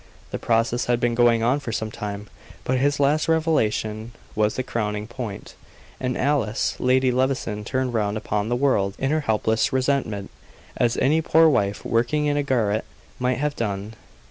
The process had been going on for some time, but this last revelation was the crowning point; and Alice, Lady Levison, turned round upon the world in her helpless resentment, as any poor wife, working in a garret, might have done.